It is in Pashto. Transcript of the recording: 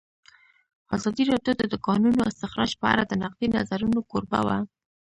ازادي راډیو د د کانونو استخراج په اړه د نقدي نظرونو کوربه وه.